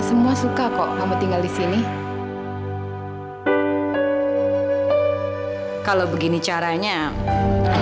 semoga kamu segan